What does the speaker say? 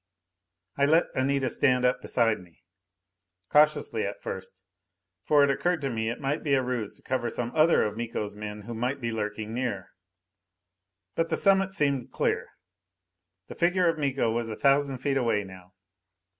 I let Anita stand up beside me, cautiously at first, for it occurred to me it might be a ruse to cover some other of Miko's men who might be lurking near. But the summit seemed clear. The figure of Miko was a thousand feet away now.